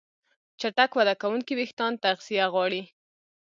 چټک وده کوونکي وېښتيان تغذیه غواړي.